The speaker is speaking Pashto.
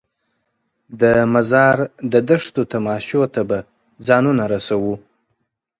د مزار د دښتو تماشو ته به ځانونه رسوو.